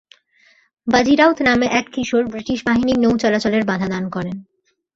বাজি রাউত নামে এক কিশোর ব্রিটিশ বাহিনীর নৌ-চলাচলের বাধা দান করে।